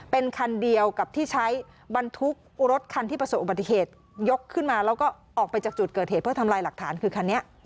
เป็นคันเดียวกับที่ใช้บรรทุกรถคันที่ประสบอุบัติเหตุยกขึ้นมาแล้วก็ออกไปจากจุดเกิดเหตุเพื่อทำลายหลักฐานคือคันนี้